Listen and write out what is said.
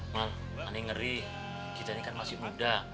mal aneh ngeri kita ini kan masih muda